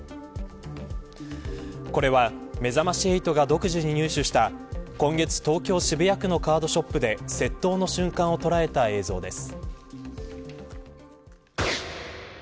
これはめざまし８が独自に入手した今月、東京・渋谷区のカードショップで窃盗の瞬間を捉えた映像です。